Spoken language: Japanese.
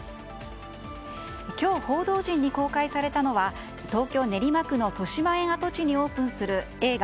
今日、報道陣に公開されたのは東京・練馬区のとしまえん跡地にオープンする映画